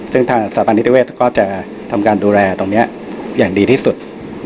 ซึ่งทางสถาบันนิติเวศก็จะทำการดูแลตรงนี้อย่างดีที่สุด